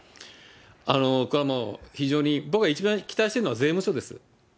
これはもう、非常に、僕が一番期待しているのは税務署です。